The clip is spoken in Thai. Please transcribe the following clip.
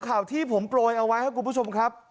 ข่าวที่ผมโปรยเอาไว้ครับคุณผู้ชมครับ